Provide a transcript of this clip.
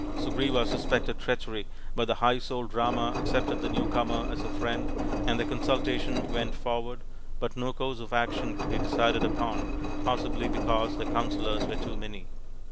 Sugriva suspected treachery, but the high souled Rama accepted the new comer as a friend and the consulta tion went forward, but no course of action could be decided upon, possibly because the counsellors were too many.